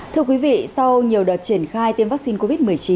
thưa quý vị sau nhiều đợt triển khai tiêm vaccine covid một mươi chín